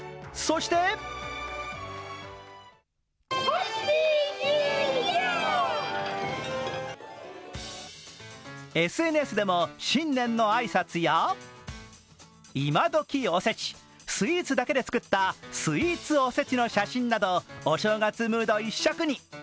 そしてＳＮＳでも新年の挨拶や今どきおせち、スイーツだけで作ったスイーツおせちの写真などお正月ムード一色に。